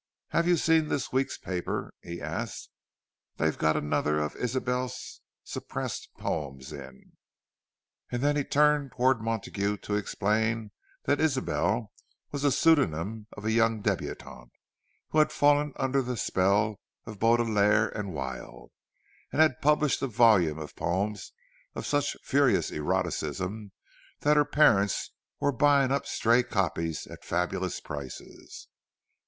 "Have you seen this week's paper?" he asked. "They've got another of Ysabel's suppressed poems in."—And then he turned toward Montague to explain that "Ysabel" was the pseudonym of a young débutante who had fallen under the spell of Baudelaire and Wilde, and had published a volume of poems of such furious eroticism that her parents were buying up stray copies at fabulous prices.